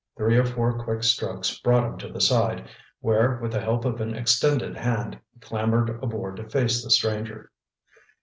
Three or four quick strokes brought him to the side, where with the help of an extended hand, he clambered aboard to face the stranger.